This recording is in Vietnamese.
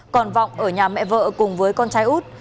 còn vọng ở nhà mẹ vợ cùng với con trai út